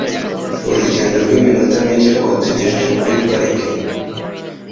Urugendo rw'iminota mike rwatugejeje kuri parike.